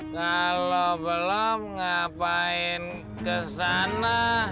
kalau belum ngapain ke sana